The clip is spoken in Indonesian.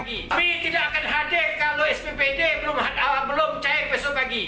kami tidak akan hadir kalau sppd belum cek besok pagi